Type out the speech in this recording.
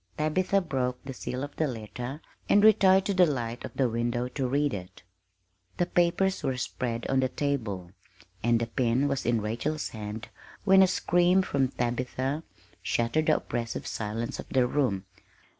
Tabitha broke the seal of the letter, and retired to the light of the window to read it. The papers were spread on the table, and the pen was in Rachel's hand when a scream from Tabitha shattered the oppressive silence of the room.